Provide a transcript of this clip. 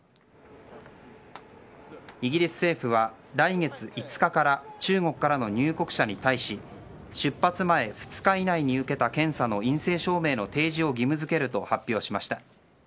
イギリス政府は来月５日から中国からの入国者に対し出発前２日以内に受けた検査の陰性証明の提示を義務付けると発表しました。